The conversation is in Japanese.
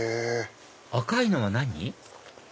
赤いのは何？